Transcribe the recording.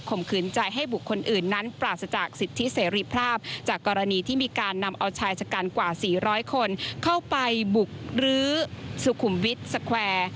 มขืนใจให้บุคคลอื่นนั้นปราศจากสิทธิเสรีภาพจากกรณีที่มีการนำเอาชายชะกันกว่า๔๐๐คนเข้าไปบุกรื้อสุขุมวิทย์สแควร์